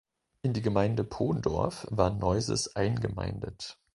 In die Gemeinde Pondorf war Neuses eingemeindet.